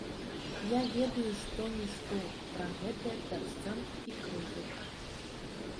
Я ведаю што-нішто пра гэтыя пярсцёнкі і крыжык.